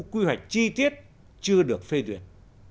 quy hoạch chi tiết chưa được phê duyệt